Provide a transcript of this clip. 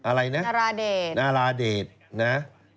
อะไรนะนาราเดตนะ